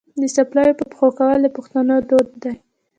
د څپلیو په پښو کول د پښتنو دود دی.